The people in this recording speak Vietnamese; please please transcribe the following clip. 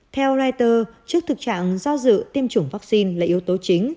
theo reuters trước thực trạng do dự tiêm chủng vaccine là yếu tố chính